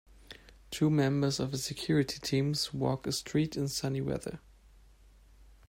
Two members of a security teams walk a street in sunny weather.